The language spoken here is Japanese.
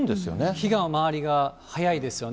火の回りが早いですよね。